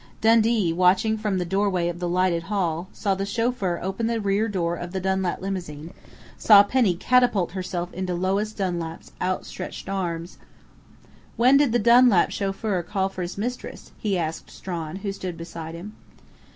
Dundee, watching from the doorway of the lighted hall, saw the chauffeur open the rear door of the Dunlap limousine, saw Penny catapult herself into Lois Dunlap's outstretched arms.... "When did the Dunlap chauffeur call for his mistress?" he asked Strawn, who stood beside him.